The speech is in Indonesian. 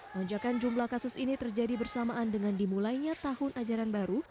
lonjakan jumlah kasus ini terjadi bersamaan dengan dimulainya tahun ajaran baru